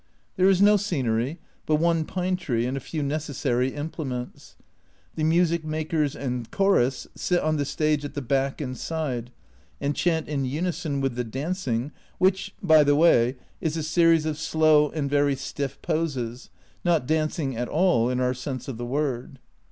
There is no scenery, but one pine tree and a few necessary implements ; the music makers and chorus sit on the stage at the back and side, and chant in unison with the " dancing " (which by the way is a series of slow and very stiff poses, not dancing at all in our sense of the word).